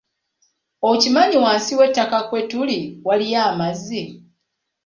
Okimanyi wansi w'ettaka kwe tuli waliyo amazzi.